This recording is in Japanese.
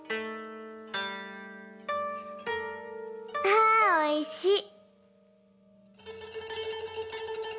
あおいしい。